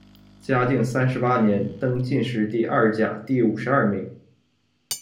嘉靖三十八年，登进士第二甲第五十二名。